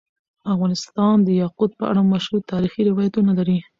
افغانستان د یاقوت په اړه مشهور تاریخی روایتونه لري.